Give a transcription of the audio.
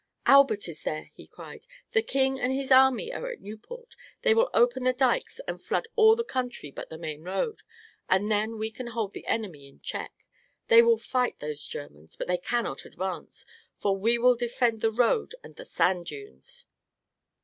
"Albert is there!" he cried. "The king and his army are at Nieuport. They will open the dykes and flood all the country but the main road, and then we can hold the enemy in check. They will fight, those Germans, but they cannot advance, for we will defend the road and the sand dunes."